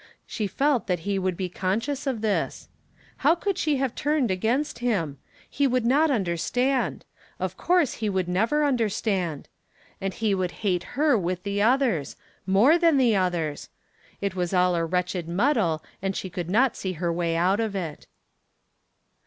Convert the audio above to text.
She felt that he would be conscious of this? How could she have turned against him? He would not understand of course he would never understand. And he would hate her with the others more than the others. It was all a wretched muddle and she could not see her way out of it.